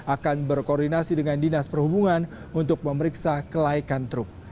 akan berkoordinasi dengan dinas perhubungan untuk memeriksa kelaikan truk